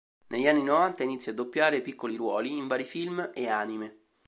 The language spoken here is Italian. Negli anni novanta inizia a doppiare piccoli ruoli in vari film e anime.